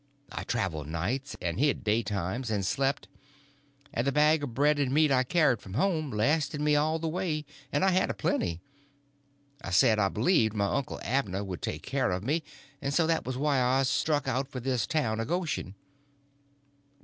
I traveled nights, and hid daytimes and slept, and the bag of bread and meat I carried from home lasted me all the way, and I had a plenty. I said I believed my uncle Abner Moore would take care of me, and so that was why I struck out for this town of Goshen.